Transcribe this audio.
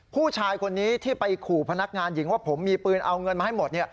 ผู้ชายคนนี้ที่ไปขู่พนักงานหญิงว่าผมมีปืนเอาเงินมาให้หมด